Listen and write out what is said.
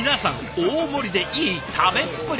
大盛りでいい食べっぷり！